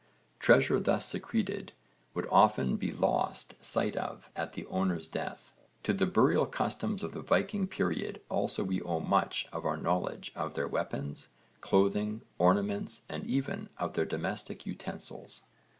Treasure thus secreted would often be lost sight of at the owner's death. To the burial customs of the Viking period also we owe much of our knowledge of their weapons, clothing, ornaments and even of their domestic utensils.